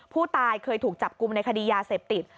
ผู้ตายเคยถูกจับกลุ่มในคดียาเสพติด